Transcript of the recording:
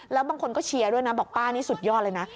แล้วบางคนก็เชียร์ด้วยนะบอกป้านี่สุดยอดเลยนะ